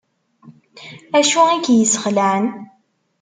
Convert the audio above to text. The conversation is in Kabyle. Acu i k-yesxelεen?